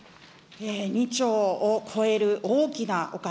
２兆を超える大きなお金。